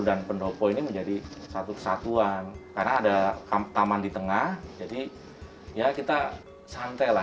pendopo ini menjadi satu kesatuan karena ada taman di tengah jadi ya kita santai lah